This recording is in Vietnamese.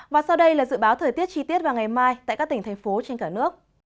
và sau đây là dự báo thời tiết chi tiết vào ngày mai tại các tỉnh thành phố trên cả nước